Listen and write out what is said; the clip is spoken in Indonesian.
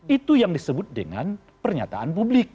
itu yang disebut dengan pernyataan publik